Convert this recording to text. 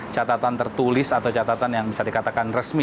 catatan tertulis atau catatan yang bisa dikatakan resmi